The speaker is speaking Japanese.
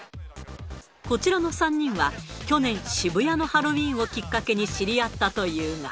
こちらの３人は、去年、渋谷のハロウィーンをきっかけに知り合ったというが。